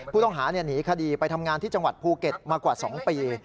ผู้ต้องหาหนีคดีไปทำงานที่จังหวัดภูเก็ตมากว่า๒ปี